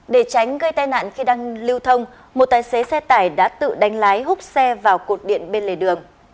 để tránh gây tai nạn khi đang lưu thông một tài xế xe tải đã tự đánh lái hút xe vào cột điện bên lề đường